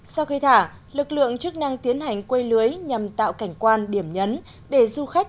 sau khi thả lực lượng chức năng tiến hành quây lưới nhằm tạo cảnh quan điểm nhấn để du khách